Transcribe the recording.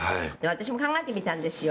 「私も考えてみたんですよ